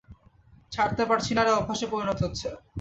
ছাড়তে পারছি না রে, অভ্যাসে পরিণত হচ্ছে।